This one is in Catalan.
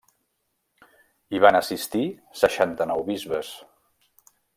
Hi van assistir seixanta-nou bisbes.